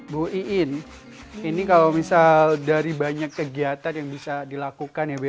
bu iin ini kalau misal dari banyak kegiatan yang bisa dilakukan ya bu ya